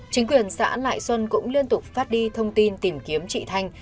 chính quyền xã lại xuân cũng liên tục phát đi thông tin tìm kiếm chị thanh